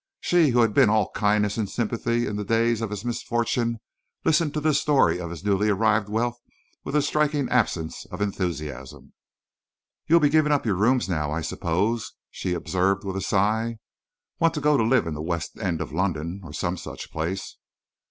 She who had been all kindness and sympathy in the days of his misfortune listened to the story of his newly arrived wealth with a striking absence of enthusiasm. "You'll be giving up your rooms now, I suppose?" she observed with a sigh. "Want to go and live in the West End of London, or some such place."